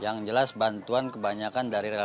yang jelas bantuan kebanyakan dari relawan